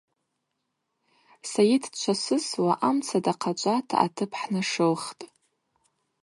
Сайыт дчвасысуа амца дахъачӏвата атып хӏнашылхтӏ.